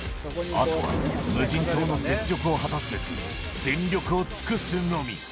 あとは無人島の雪辱を果たすべく、全力を尽くすのみ。